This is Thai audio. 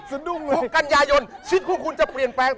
สุดดุงกันยายนชิดคู่คุณจะเปลี่ยนแปลง